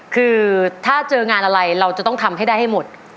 คือถ้าเจองานอะไรเราจะต้องทำให้ได้ให้หมด